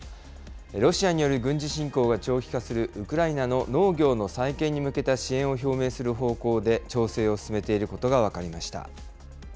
ロシアによる軍事侵攻が長期化するウクライナの農業の再建に向けた支援を表明する方向で調整を進めていることが分かりました。